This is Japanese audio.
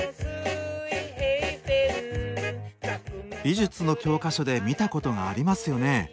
美術の教科書で見たことがありますよね？